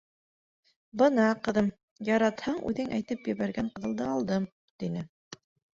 — Бына, ҡыҙым, яратһаң, үҙең әйтеп ебәргән ҡыҙылды алдым, — тине.